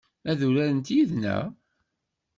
Ad urarent yid-neɣ?